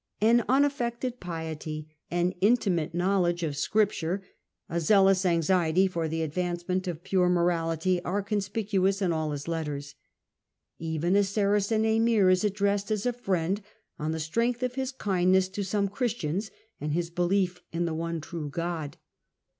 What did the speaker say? An unaffected piety, an in timate knowledge of Scripture, a zealous anxiety for the advancement of pure morality are conspicuous in all his letters. Even a Saracen emir is addressed as a friend on the strength of his kindness to some Christians and his belief in the one true God.